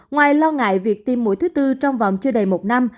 ngoài lo ngại việc tiêm mũi thứ tư trong vòng chưa đầy một năm